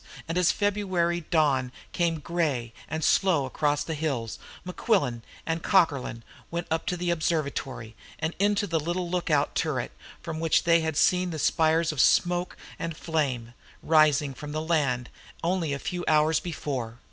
And as the February dawn came grey and slow across the hills, Mequillen and Cockerlyne went up to the observatory, and into the little look out turret from which they had seen the spirals of smoke and flame rising from the land only a few hours before.